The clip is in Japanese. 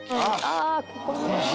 ああここね。